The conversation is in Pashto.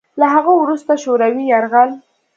له هغه وروسته شوروي یرغل